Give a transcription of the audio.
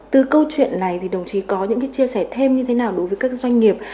từ câu chuyện này thì đồng chí có những chia sẻ thêm như thế nào đối với các doanh nghiệp